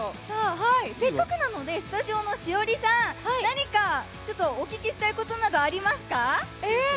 せっかくなのでスタジオの栞里さん、何かお聞きしたいことなどありますか？